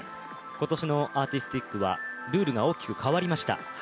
今年のアーティスティックはルールが大きく変わりました。